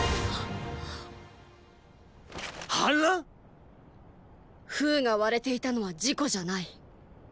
反乱⁉封が割れていたのは事故じゃない。